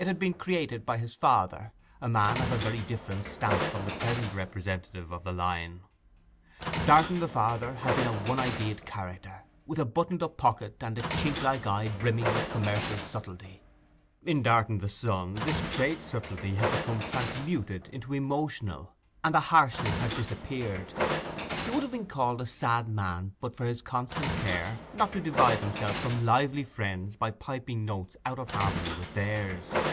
It had been created by his father, a man of a very different stamp from the present representative of the line. Darton, the father, had been a one idea'd character, with a buttoned up pocket and a chink like eye brimming with commercial subtlety. In Darton the son, this trade subtlety had become transmuted into emotional, and the harshness had disappeared; he would have been called a sad man but for his constant care not to divide himself from lively friends by piping notes out of harmony with theirs.